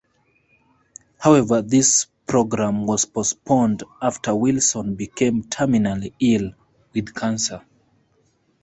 However, this programme was postponed after Wilson became terminally ill with cancer.